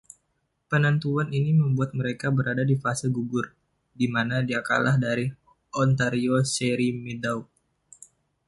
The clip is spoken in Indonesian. Penentuan ini membuat mereka berada di fase gugur, di mana dia kalah dari Ontario's Sherry Middaugh.